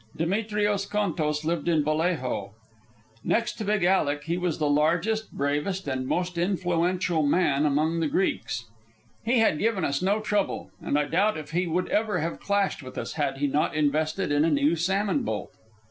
Demetrios Contos lived in Vallejo. Next to Big Alec, he was the largest, bravest, and most influential man among the Greeks. He had given us no trouble, and I doubt if he would ever have clashed with us had he not invested in a new salmon boat.